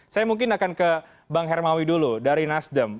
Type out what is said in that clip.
saya mungkin akan ke bang hermawi dulu dari nasdem